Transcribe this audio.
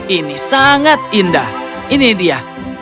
ini sangat indah ini dia